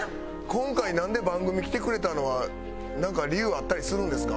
今回なんで番組来てくれたのはなんか理由あったりするんですか？